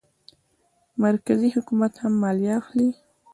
مرکزي حکومت هم مالیه اخلي.